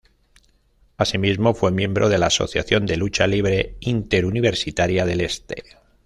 Asimismo, fue miembro de la Asociación de Lucha Libre Interuniversitaria del Este.